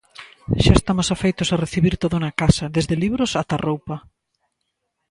Xa estamos afeitos a recibir todo na casa, desde libros ata roupa.